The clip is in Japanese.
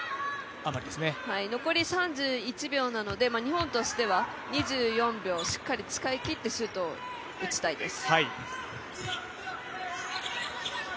残り３１秒なので日本としては２４秒、しっかり使い切ってシュートを打ちたいです。